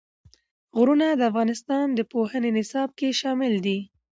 غرونه د افغانستان د پوهنې نصاب کې شامل دي.